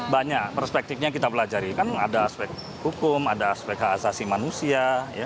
banyak perspektifnya kita pelajari kan ada aspek hukum ada aspek hak asasi manusia